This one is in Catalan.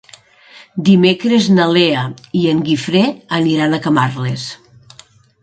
Dimecres na Lea i en Guifré aniran a Camarles.